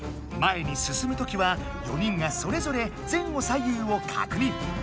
前に進むときは４人がそれぞれ前後左右を確認。